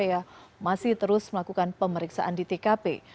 ya masih terus melakukan pemeriksaan di tkp